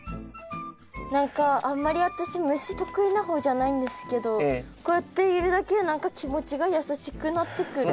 何かあんまり私虫得意な方じゃないんですけどこうやっているだけで何か気持ちが優しくなってくる。